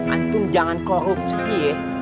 antum jangan korupsi ya